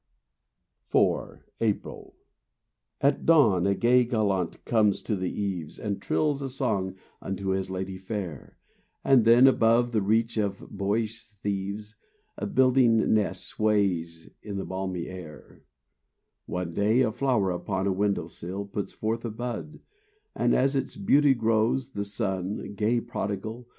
IV—April At dawn a gay gallant comes to the eaves And trills a song unto his lady fair, And then, above the reach of boyish thieves, A building nest sways in the balmy air; One day a flower upon a window sill Puts forth a bud, and as its beauty grows The sun—gay prodigal!